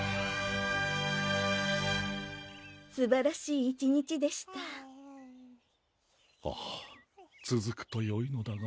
すばらしい一日でしたえるぅああつづくとよいのだが